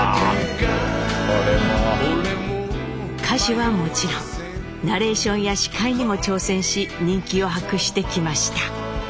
歌手はもちろんナレーションや司会にも挑戦し人気を博してきました。